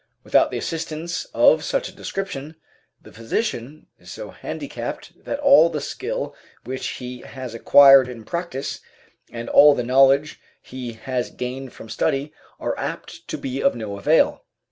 Without the assistance of such a description the physician is so handicapped that all the skill which he has acquired in practice and all the knowledge he has gained from study are apt to be of no avail.